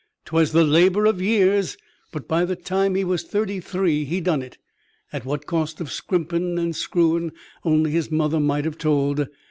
'Twas the labor of years; but by the time he was thirty three he done it at what cost of scrimping and screwing, only his mother might have told.